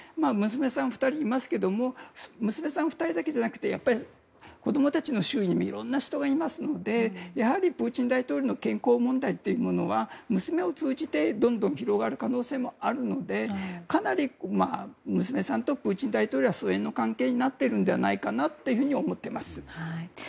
娘さん２人いますけど娘さん２人だけじゃなくてやっぱり子供たちの周囲にもいろんな人たちがいますのでやはりプーチン大統領の健康問題というものは娘を通じて、どんどん広がる可能性もあるのでかなり娘さんとプーチン大統領は疎遠な関係になっているのではと思っています。